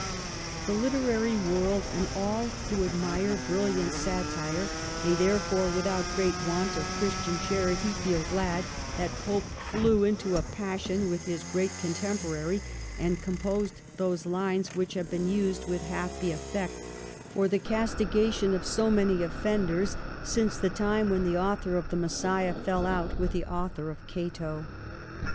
The literary world and all who admire brilliant satire may therefore without great want of Christian charity feel glad that Pope flew into a passion with his great contemporary, and composed those lines which have been used with happy effect for the castigation of 1716 'IF ATTICUS WERE HE.' 291 SO many offenders since the time when the author of * The Messiah ' fell out with the author of ' Cato.'